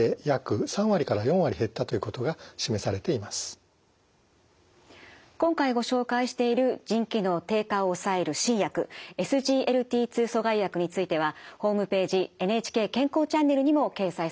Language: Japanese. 治験では今回ご紹介している腎機能低下を抑える新薬ＳＧＬＴ２阻害薬についてはホームページ「ＮＨＫ健康チャンネル」にも掲載されています。